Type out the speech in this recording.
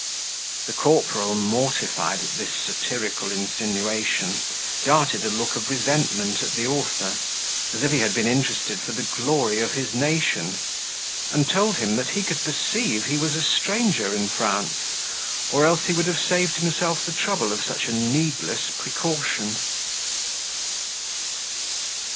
The corporal, mortified at this satirical insinuation, darted a look of resentment at the author, as if he had been interested for the glory of his nation; and told him that he could perceive he was a stranger in France, or else he would have saved himself the trouble of such a needless precaution.